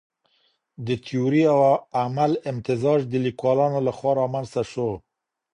د تيوري او عمل امتزاج د ليکوالانو لخوا رامنځته سو.